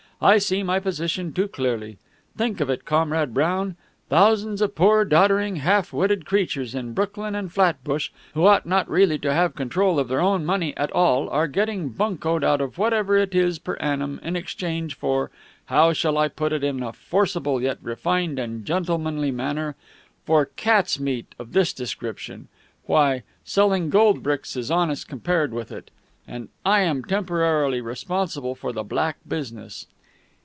I see my position too clearly. Think of it, Comrade Brown! Thousands of poor, doddering, half witted creatures in Brooklyn and Flatbush, who ought not really to have control of their own money at all, are getting buncoed out of whatever it is per annum in exchange for how shall I put it in a forcible yet refined and gentlemanly manner? for cat's meat of this description. Why, selling gold bricks is honest compared with it. And I am temporarily responsible for the black business!"